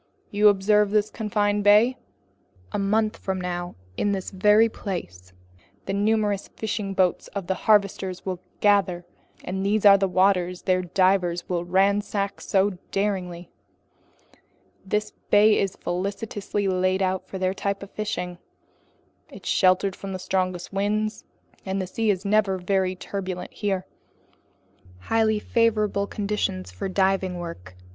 "You observe this confined bay? A month from now in this very place, the numerous fishing boats of the harvesters will gather, and these are the waters their divers will ransack so daringly. This bay is felicitously laid out for their type of fishing. It's sheltered from the strongest winds, and the sea is never very turbulent here, highly favorable conditions for diving work.